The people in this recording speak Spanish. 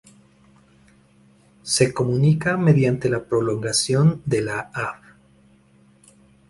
Se comunica mediante la prolongación de la Av.